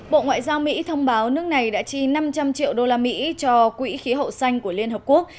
bộ ngoại giao mỹ thông báo nước này đã chi năm trăm linh triệu usd cho quỹ khí hậu xanh của liên hợp quốc